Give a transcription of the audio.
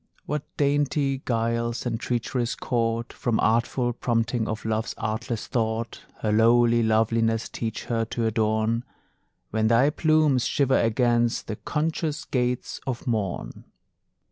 What dainty guiles and treacheries caught From artful prompting of love's artless thought Her lowly loveliness teach her to adorn, When thy plumes shiver against the conscious gates of morn!